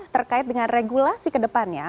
terkait dengan regulasi kedepannya